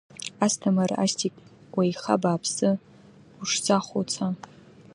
Асҭамыр, Астик, уеиха абааԥсы, ушзахәо уца!